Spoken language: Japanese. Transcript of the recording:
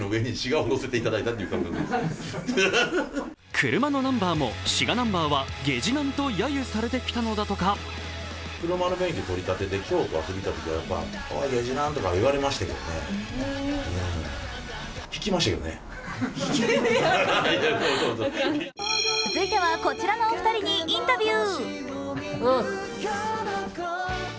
車のナンバーも滋賀ナンバーはゲジナンとやゆされてきたとか続いてはこちらのお二人にインタビュー。